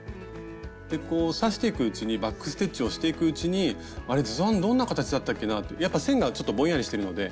刺していくうちにバック・ステッチをしていくうちにあれ図案どんな形だったっけなってやっぱ線がちょっとぼんやりしてるので。